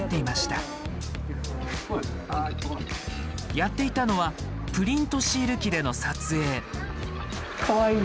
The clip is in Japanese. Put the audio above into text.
やっていたのはプリントシール機での撮影。